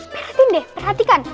perhatikan deh perhatikan